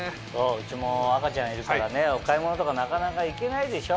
うちも赤ちゃんいるからねお買い物とかなかなか行けないでしょ？